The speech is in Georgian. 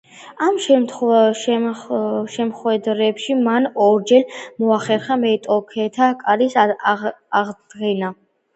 ამ შეხვედრებში მან ორჯერ მოახერხა მეტოქეთა კარის აღება.